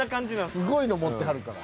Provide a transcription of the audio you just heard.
すごいの持ってはるから。